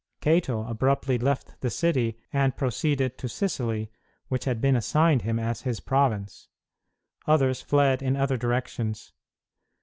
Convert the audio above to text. Cato abruptly left the city and proceeded to Sicily, which had been assigned him as his province. Others fled in other directions.